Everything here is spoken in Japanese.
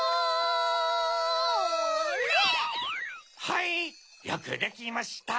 はいよくできました！